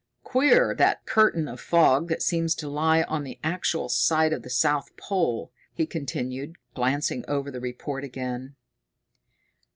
"Queer, that curtain of fog that seems to lie on the actual site of the south pole," he continued, glancing over the report again.